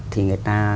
thì người ta